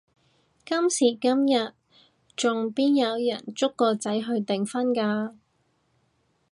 今時今日仲邊有人捉個仔去訂婚㗎？